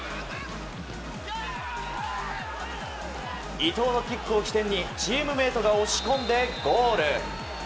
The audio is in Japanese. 伊東のキックを起点にチームメートが押し込んでゴール。